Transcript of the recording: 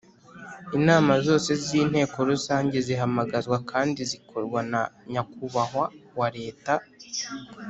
Inama zose z Inteko Rusange zihamagazwa kandi zikorwa na nyakubahwa wa leta